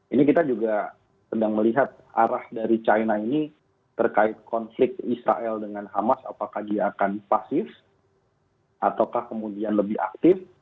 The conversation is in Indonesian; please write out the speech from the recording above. ini kita juga sedang melihat arah dari china ini terkait konflik israel dengan hamas apakah dia akan pasif ataukah kemudian lebih aktif